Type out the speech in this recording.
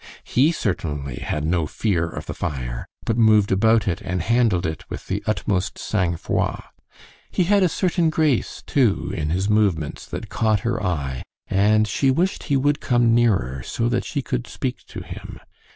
He certainly had no fear of the fire, but moved about it and handled it with the utmost sang froid. He had a certain grace, too, in his movements that caught her eye, and she wished he would come nearer so that she could speak to him.